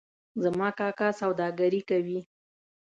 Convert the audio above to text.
زما کاکا سوداګري کوي